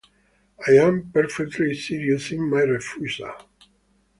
I am perfectly serious in my refusal.